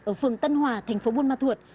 ở phường tân hòa thành phố buôn ma thuột